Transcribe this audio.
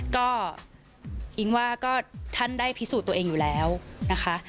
ก็อิ๊งว่าก็ท่านได้พิสูจน์ตัวเองอยู่แล้วนะคะ